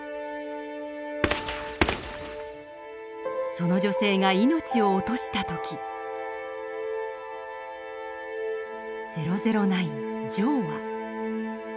その女性が命を落とした時００９ジョーは。